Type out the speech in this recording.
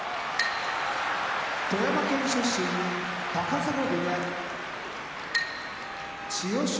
富山県出身高砂部屋千代翔